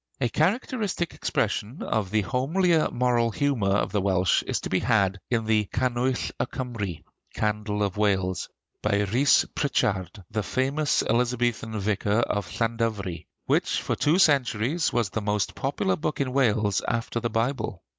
A characteristic expression of the homelier moral humor of the Welsh is to be had in the 'Canwyll y Cymry' (Candle of Wales), by Rhys Pritchard, the famous Elizabethan vicar of Llandovery, which for two centuries was the most popular book in Wales after the Bible.